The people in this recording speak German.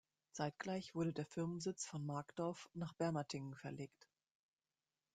Zeitgleich wurde der Firmensitz von Markdorf nach Bermatingen verlegt.